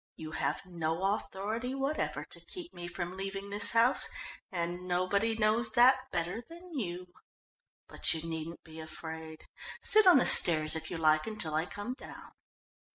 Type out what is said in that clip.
"You have no authority whatever to keep me from leaving this house and nobody knows that better than you. But you needn't be afraid. Sit on the stairs if you like until I come down."